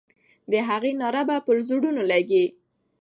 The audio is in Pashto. د هغې ناره به پر زړونو لګي.